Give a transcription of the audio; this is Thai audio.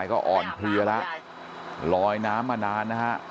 อุ้มขึ้นมาจากแม่น้ำนาฬนะฮะ